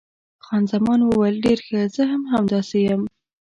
خان زمان وویل، ډېر ښه، زه هم همداسې یم.